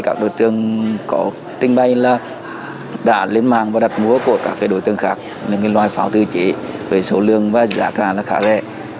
các đối tượng có trình bày là đã lên mạng và đặt mua của các đối tượng khác những loài pháo tự chế với số lượng và giá cả khá rẻ